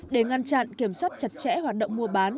để ngăn chặn kiểm soát chặt chẽ hoạt động mua bán